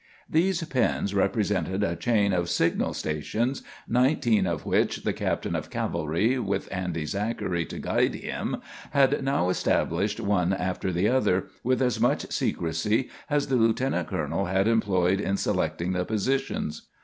These pins represented a chain of signal stations, nineteen of which the captain of cavalry, with Andy Zachary to guide him, had now established one after the other, with as much secrecy as the lieutenant colonel had employed in selecting the positions.